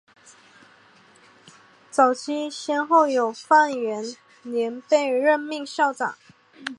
早期先后有范源濂被任命校长。